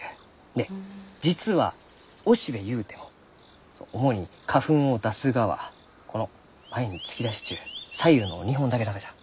で実は雄しべゆうても主に花粉を出すがはこの前に突き出しちゅう左右の２本だけながじゃ。